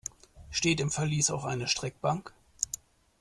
Steht im Verlies auch eine Streckbank?